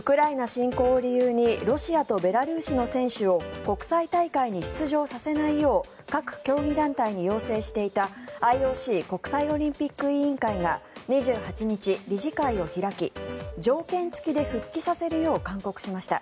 ウクライナ侵攻を理由にロシアとベラルーシの選手を国際大会に出場させないよう各競技団体に要請していたＩＯＣ・国際オリンピック委員会が２８日、理事会を開き条件付きで復帰させるよう勧告しました。